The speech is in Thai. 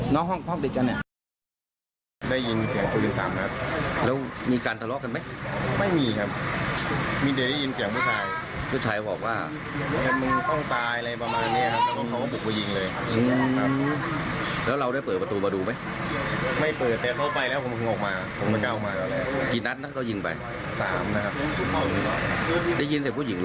นอกห้องปิดกัน